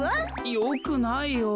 よくないよ。